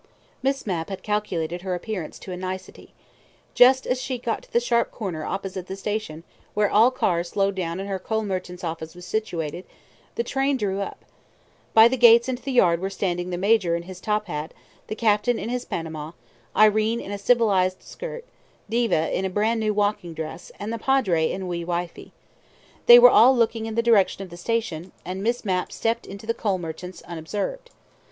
Miss Mapp had calculated her appearance to a nicety. Just as she got to the sharp corner opposite the station, where all cars slowed down and her coal merchants' office was situated, the train drew up. By the gates into the yard were standing the Major in his top hat, the Captain in his Panama, Irene in a civilized skirt; Diva in a brand new walking dress, and the Padre and wee wifey. They were all looking in the direction of the station, and Miss Mapp stepped into the coal merchant's unobserved.